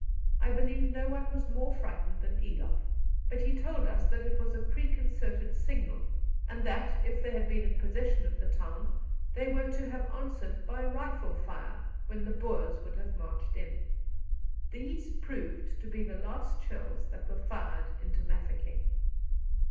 I believe no one was more frightened than Eloff; but he told us that it was a preconcerted signal, and that, if they had been in possession of the town, they were to have answered by rifle fire, when the Boers would have marched in. These proved to be the last shells that were fired into Mafeking.